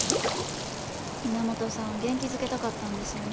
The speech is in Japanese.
源さんは元気づけたかったんですよね。